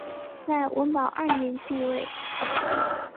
在文保二年即位。